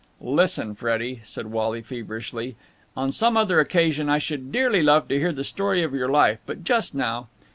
"Listen, Freddie!" said Wally feverishly. "On some other occasion I should dearly love to hear the story of your life, but just now...."